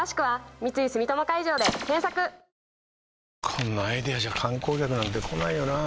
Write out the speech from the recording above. こんなアイデアじゃ観光客なんて来ないよなあ